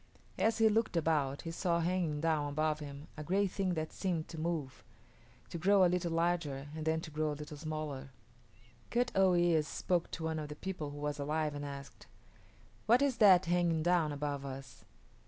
As he looked about, he saw hanging down above him a great thing that seemed to move to grow a little larger and then to grow a little smaller. Kut o yis´ spoke to one of the people who was alive and asked, "What is that hanging down above us?"